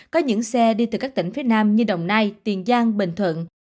có những xe đi từ các tỉnh phía nam như đồng nai tiền giang bình thuận